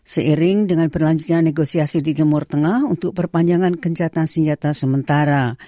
seiring dengan berlanjutnya negosiasi di timur tengah untuk perpanjangan kencatan senjata sementara